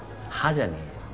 じゃねえよ。